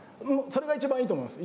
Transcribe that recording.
それが一番いいと思います。